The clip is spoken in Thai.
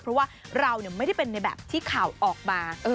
เพราะว่าเราไม่ได้เป็นในแบบที่ข่าวออกมา